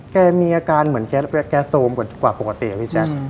แกมีอาการเหมือนแกโซมกว่าปกติอะพี่แจ๊ค